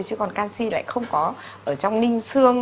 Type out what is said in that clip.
chứ còn canxi lại không có ở trong ninh xương